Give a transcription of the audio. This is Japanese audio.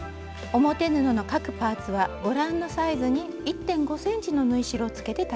表布の各パーツはご覧のサイズに１．５ｃｍの縫い代をつけて裁ちます。